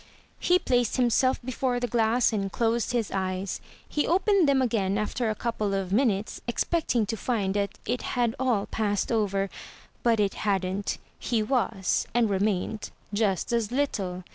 He placed himself before the glass and closed his eyes. He opened them again after a couple of minutes, expecting to find that it had all passed over — but it hadn't. He was — and re mained — just as little.